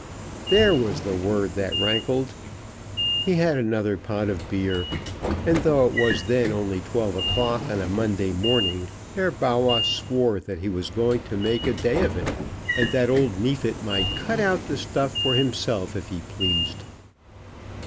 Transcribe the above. There was the word that rankled. He had another pot of beer, and though it was then only twelve o'clock on a Monday morning Herr Bawwah swore that he was going to make a day of it, and that old Neefit might cut out the stuff for himself if he pleased.